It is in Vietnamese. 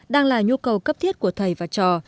đang là nhu cầu cấp thiết của thầy và trò